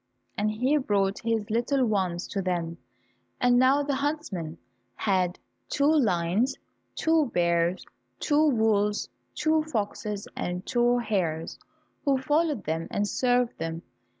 And he brought his little ones to them, and now the huntsmen had two lions, two bears, two wolves, two foxes, and two hares, who followed them and served them.